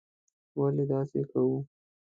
ولې داسې کوو.